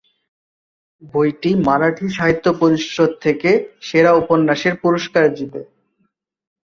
বইটি মারাঠি সাহিত্য পরিষদ থেকে 'সেরা উপন্যাস' এর পুরস্কার জিতে।